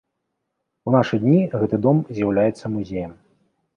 У нашы дні гэты дом з'яўляецца музеям.